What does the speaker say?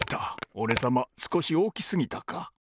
おれさますこしおおきすぎたか。